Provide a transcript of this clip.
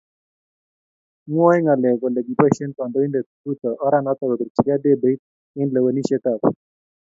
Mwoe ngalek kole kiboishee Kandoindet Ruto oranoto kopirchikei debeit eng lewenishet ab